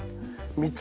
３つ？